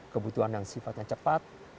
kebutuhan yang sifatnya cepat